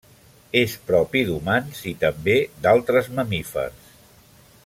És propi d'humans i també d'altres mamífers.